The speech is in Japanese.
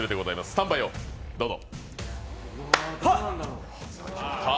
スタンバイをどうぞ。